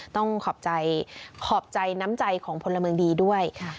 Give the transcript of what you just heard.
ขอบใจขอบใจน้ำใจของพลเมืองดีด้วย